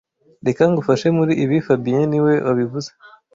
Reka ngufashe muri ibi fabien niwe wabivuze